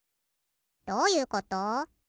どういうこと？